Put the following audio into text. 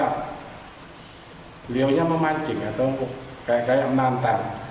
beliaunya memancing atau kayak kayak menantang